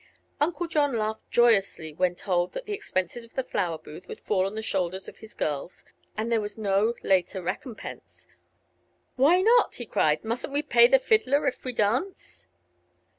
Uncle John laughed joyously when told that the expenses of the flower booth would fall on the shoulders of his girls and there was no later recompense. "Why not?" he cried. "Mustn't we pay the fiddler if we dance?"